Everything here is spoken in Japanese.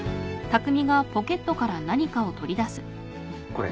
これ。